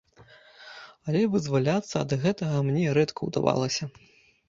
Але вызваляцца ад гэтага мне рэдка ўдавалася.